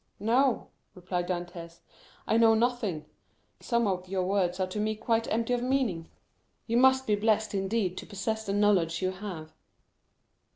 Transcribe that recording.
"No," replied Dantès. "I know nothing. Some of your words are to me quite empty of meaning. You must be blessed indeed to possess the knowledge you have."